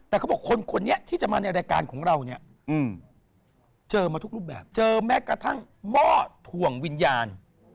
แต่เขาบอกคนนี้ที่จะมาในรายการของเราเนี่ยเจอมาทุกรูปแบบเจอแม้กระทั่งหม้อถ่วงวิญญาณ